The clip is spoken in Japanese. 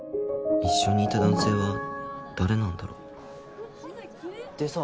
一緒にいた男性は誰なんだろうでさ